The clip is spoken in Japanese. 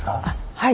はい。